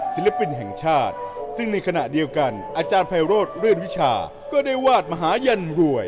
ศิลปินแห่งชาติซึ่งในขณะเดียวกันอาจารย์ไพโรธเลื่อนวิชาก็ได้วาดมหายันรวย